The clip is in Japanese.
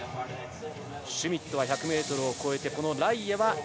シュミットは１００ｍを越えてライエは９７．５ｍ。